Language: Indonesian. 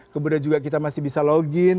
kemudian juga kita masih bisa login